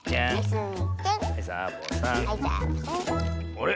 あれ？